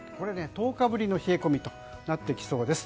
１０日ぶりの冷え込みとなってきそうです。